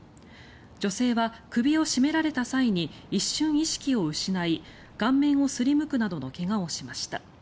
女性は首を絞められた際に一瞬、意識を失い顔面をすりむくなどの怪我をしました。